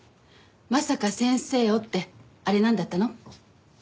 「まさか先生を」ってあれなんだったの？